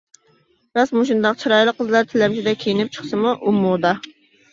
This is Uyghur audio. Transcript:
راست مۇشۇنداق، چىرايلىق قىزلار تىلەمچىدەك كىيىنىپ چىقسىمۇ، ئۇ مودا.